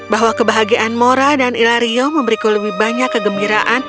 bahwa kebahagiaan mora dan ilario memberiku lebih banyak kegembiraan